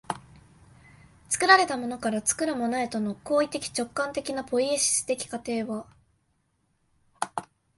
作られたものから作るものへとの行為的直観的なポイエシス的過程は